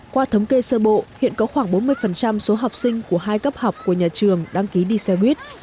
qua thống kê sơ bộ hiện có khoảng bốn mươi số học sinh của hai cấp học của nhà trường đăng ký đi xe buýt